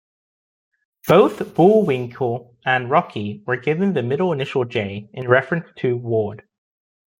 Both Bullwinkle and Rocky were given the middle initial "J" in reference to Ward.